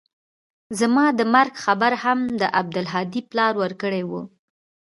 زما د مرګ خبر هم د عبدالهادي پلار ورکړى و.